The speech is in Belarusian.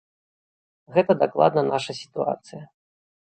Гэта дакладна наша сітуацыя.